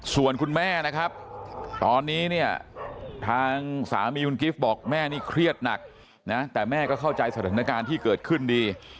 ส่วนคุณแม่นะครับตอนนี้เนี่ยทางสามีคุณกิฟต์บอกแม่นี่เครียดหนักนะแต่แม่ก็เข้าใจสถานการณ์ที่เกิดขึ้นดี